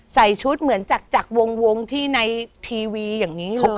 ใส่ชุดเหมือนจากวงที่ในทีวีอย่างนี้เลย